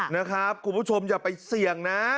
นะครับคุณผู้ชมอย่าไปเสี่ยงนะ